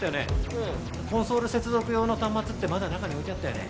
ええコンソール接続用の端末ってまだ中に置いてあったよね